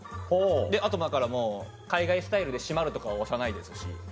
あとだからもう海外スタイルで「閉まる」とかは押さないですし。